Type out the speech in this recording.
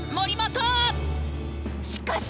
しかし！